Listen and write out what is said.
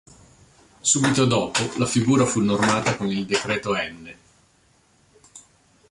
Subito dopo la figura fu normata con il decreto n.